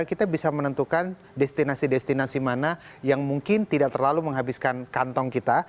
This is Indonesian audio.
kita bisa menentukan destinasi destinasi mana yang mungkin tidak terlalu menghabiskan kantong kita